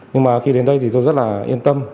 nhưng mà khi đến đây thì tôi rất là yên tâm